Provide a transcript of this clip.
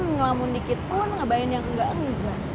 ngelamun dikit pun ngebayangin yang gak enggar